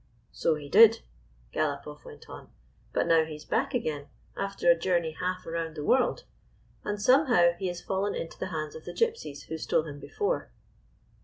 " So he did," Galopoff went on, " but now he 198 A COUNCIL OF WAR is back again after a journey half around the world, and somehow he has fallen into the hands of the Gypsies who stole him before."